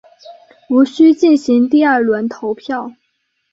无须进行第二轮投票。